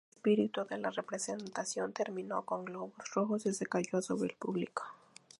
El "espíritu" de la presentación terminó con globos rojos se cayó sobre el público.